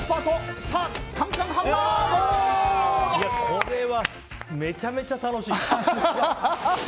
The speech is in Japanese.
これはめちゃめちゃ楽しい！